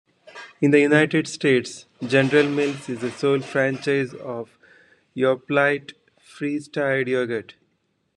In the United States, General Mills is the sole franchisee of Yoplait pre-stirred yogurt.